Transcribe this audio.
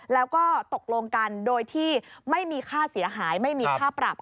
แล้วก็ตกลงกันโดยที่ไม่มีค่าเสียหายไม่มีค่าปรับ